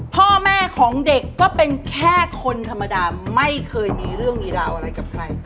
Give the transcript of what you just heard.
พ่อแม่ของเด็กก็เป็นแค่คนธรรมดาไม่เคยมีเรื่องมีราวอะไรกับใคร